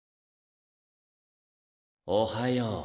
おはよう。